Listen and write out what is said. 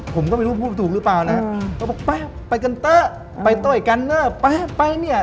ผมก็ไม่รู้พูดถูกหรือเปล่านะเขาบอกแป๊ะไปกันเตอร์ไปเต้ยกันเนอร์แป๊ะไปเนี่ย